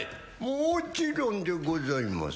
もちろんでございます